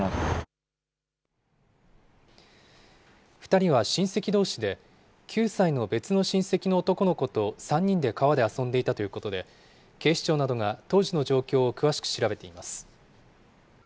２人は親戚どうしで、９歳の別の親戚の男の子と３人で川で遊んでいたということで、警視庁などが当時の状況を詳しく調べています。